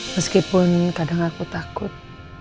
meskipun kadang aku takut